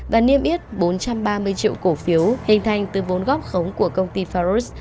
và niêm yết bốn trăm ba mươi triệu cổ phiếu hình thành từ vốn góp khống của công ty farus